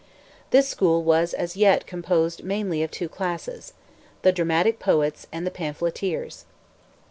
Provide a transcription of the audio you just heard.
This school was as yet composed mainly of two classes—the dramatic poets, and the pamphleteers.